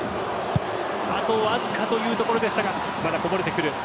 あとわずかというところでしたがまだこぼれてくる。